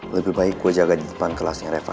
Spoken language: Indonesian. lebih baik gue jaga di depan kelasnya reva